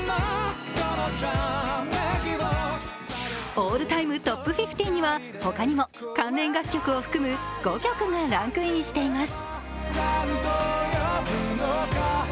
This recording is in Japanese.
オールタイムＴＯＰ５０にはほかにも関連楽曲を含む５曲がランクインしています。